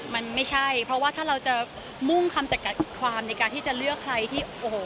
มันไม่ใช่เพราะว่าถ้าเราจะมุ่งคำจัดความในการที่จะเลือกใครที่โอ้โห